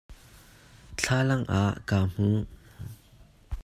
Thlalang a ka hmuh.